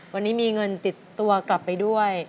วันนี้มีเงินติดตัวกลับไปด้วย